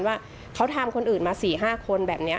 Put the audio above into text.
ว่าเขาทำคนอื่นมา๔๕คน